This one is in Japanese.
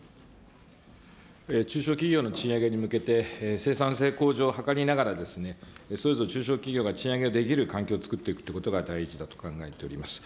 中小企業の賃上げに向けて、生産性向上を図りながら、それぞれ中小企業が賃上げをできる環境を作っていくということが大事だと考えております。